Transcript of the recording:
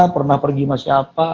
pernah pergi sama siapa